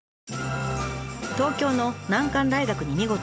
東京の難関大学に見事合格。